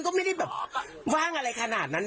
โห้ยไม่มีน้ำใจเลยนะ